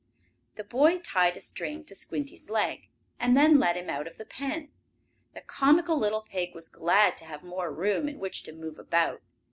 The boy tied a string to Squinty's leg, and let him out of the pen. The comical little pig was glad to have more room in which to move about.